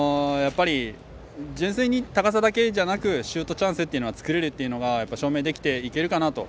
純粋に高さだけじゃなくシュートチャンスというのは作れるというのが証明できていけるかなと。